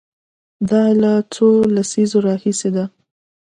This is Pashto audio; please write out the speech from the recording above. دا له څو لسیزو راهیسې ده.